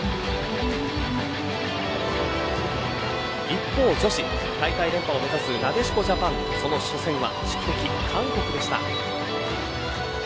一方、女子、大会連覇を目指すなでしこジャパンその初戦は宿敵、韓国でした。